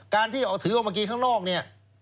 การที่ถือออกมากินข้างนอกนี่